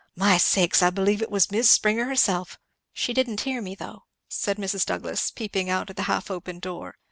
My sakes! I believe it was Mis' Springer herself! she didn't hear me though," said Mrs. Douglass peeping out of the half open door.